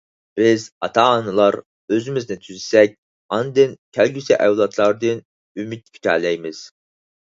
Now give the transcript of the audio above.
بىز ئاتا-ئانىلار ئۆزىمىزنى تۈزىسەك، ئاندىن كەلگۈسى ئەۋلادلاردىن ئۈمىد كۈتەلەيمىز.